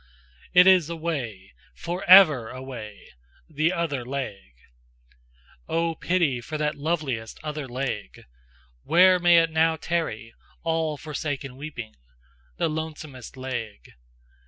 Hu! It is away! For ever away! The other leg! Oh, pity for that loveliest other leg! Where may it now tarry, all forsaken weeping? The lonesomest leg?